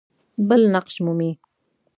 بل نقش مومي.